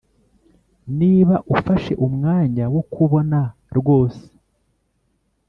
niba ufashe umwanya wo kubona rwose,